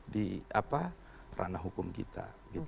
di ranah hukum kita